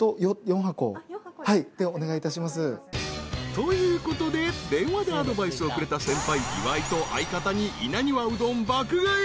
［ということで電話でアドバイスをくれた先輩岩井と相方に稲庭うどん爆買い。